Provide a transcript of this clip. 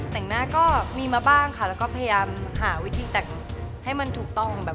แต่งหน้าก็มีมาบ้างค่ะแล้วก็พยายามหาวิธีแต่งให้มันถูกต้องแบบ